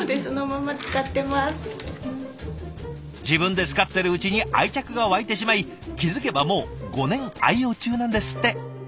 自分で使ってるうちに愛着が湧いてしまい気付けばもう５年愛用中なんですって。